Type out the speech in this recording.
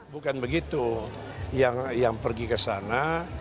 bukan begitu yang pergi ke sana